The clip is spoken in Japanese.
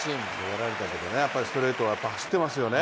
やられたけど、ストレートが走ってますよね。